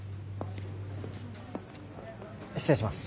失礼します。